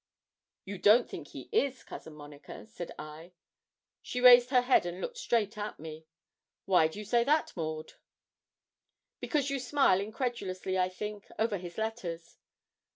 'You don't think he is, Cousin Monica?' said I. She raised her head and looked straight at me. 'Why do you say that, Maud?' 'Because you smile incredulously, I think, over his letters.'